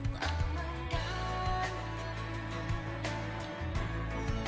tuhan di atasku